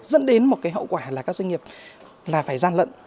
dẫn đến một cái hậu quả là các doanh nghiệp là phải gian lận